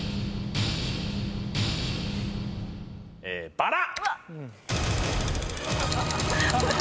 バラ！